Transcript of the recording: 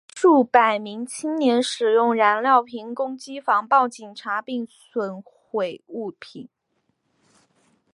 数百名青年使用燃烧瓶攻击防暴警察并损毁物品。